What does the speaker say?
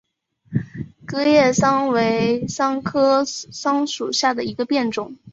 戟叶桑为桑科桑属下的一个变种。